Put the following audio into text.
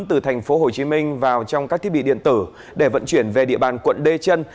từ thành phố hồ chí minh vào trong các thiết bị điện tử để vận chuyển về địa bàn quận lê chân